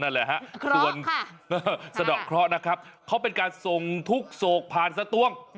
นั่นแหละฮะส่วนสะดอกเคราะห์นะครับเขาเป็นการส่งทุกโศกผ่านสตวง